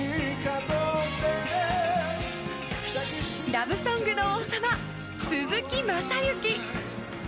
ラブソングの王様、鈴木雅之。